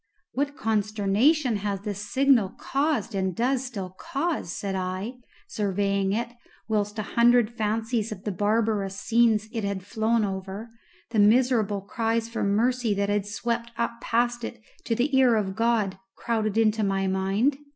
"What consternation has this signal caused and does still cause!" said I, surveying it, whilst a hundred fancies of the barbarous scenes it had flown over, the miserable cries for mercy that had swept up past it to the ear of God, crowded into my mind.